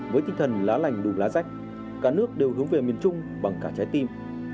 với tinh thần lá lành đùm lá rách cả nước đều hướng về miền trung bằng cả trái tim